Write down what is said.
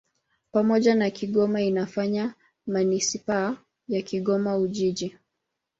Pamoja na Kigoma inafanya manisipaa ya Kigoma-Ujiji.